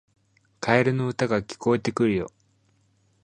カエルの歌が聞こえてくるよ